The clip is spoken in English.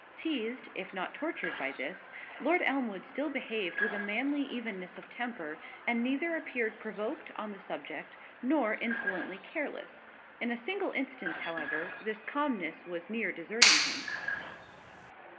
Teased, if not tortured, by this, Lord Elmwood still behaved with a manly evenness of temper, and neither appeared provoked on the subject, nor insolently careless. In a single instance, however, this calmness was near deserting him.